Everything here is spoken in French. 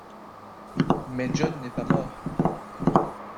Mais John n'est pas mort.